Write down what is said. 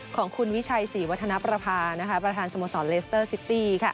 ของคุณวิชัยศรีวัฒนประพาประธานสโมสรเลสเตอร์ซิตี้